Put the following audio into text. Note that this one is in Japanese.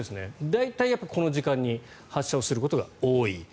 大体この時間に発射することが多い。